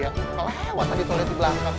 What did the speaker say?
ya lewat tadi toilet di belakang